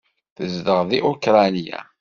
Tezdeɣ deg Ukṛanya.